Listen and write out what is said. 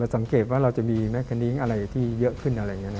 สังเกตว่าเราจะมีแม่คณิ้งอะไรที่เยอะขึ้นอะไรอย่างนี้